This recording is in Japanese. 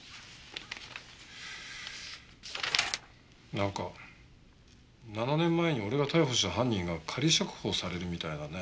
なんか７年前に俺が逮捕した犯人が仮釈放されるみたいだね。